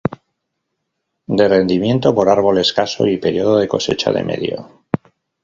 De rendimiento por árbol escaso y periodo de cosecha de medio.